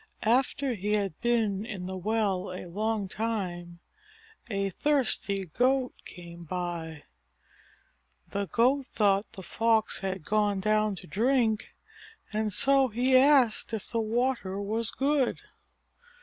After he had been in the well a long time, a thirsty Goat came by. The Goat thought the Fox had gone down to drink, and so he asked if the water was good.